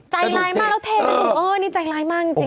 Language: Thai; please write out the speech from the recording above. ใจร้ายมากแล้วเทมันอ้อนี่ใจร้ายมากจริง